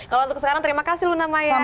kalau untuk sekarang terima kasih luna maya